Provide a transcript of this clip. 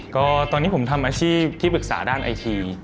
ก็ตอนนี้ผมทำอาชีพที่ปรึกษาด้านไอที